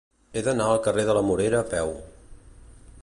He d'anar al carrer de la Morera a peu.